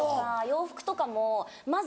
洋服とかも。